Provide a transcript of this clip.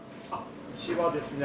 うちはですね